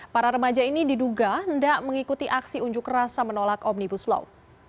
para remaja ini diduga hendak mengikuti aksi unjuk rasa menolak omnibus law